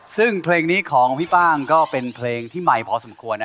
ซึ่งเพลงนี้ของพี่ป้างก็เป็นเพลงที่ใหม่พอสมควร